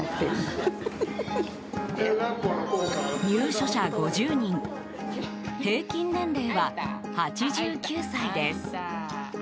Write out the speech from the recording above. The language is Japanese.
入所者５０人平均年齢は８９歳です。